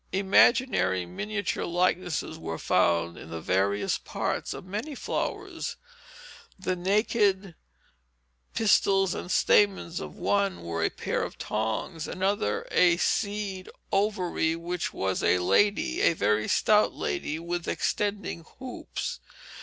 Imaginary miniature likenesses were found in the various parts of many flowers: the naked pistil and stamens of one were a pair of tongs; another had a seed ovary which was a lady, a very stout lady with extending hoops.